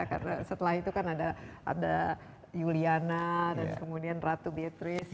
karena setelah itu kan ada juliana dan kemudian ratu beatrice